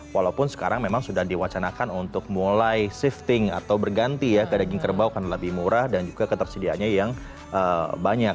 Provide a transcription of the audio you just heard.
walaupun sekarang memang sudah diwacanakan untuk mulai shifting atau berganti ya ke daging kerbau karena lebih murah dan juga ketersediaannya yang banyak